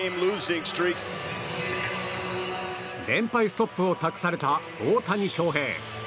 ストップを託された大谷翔平。